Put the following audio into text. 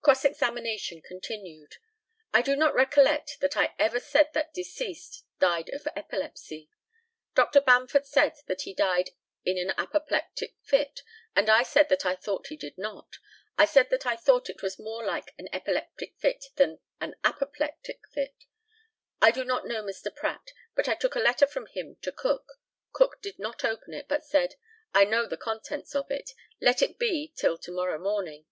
Cross examination continued: I do not recollect that I ever said that deceased died of epilepsy. Dr. Bamford said that he died in an apoplectic fit, and I said that I thought he did not. I said that I thought it was more like an epileptic than an apoplectic fit. I do not know Mr. Pratt, but I took a letter from him to Cook. Cook did not open it, but said, "I know the contents of it let it be till to morrow morning."